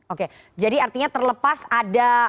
oke jadi artinya terlepas ada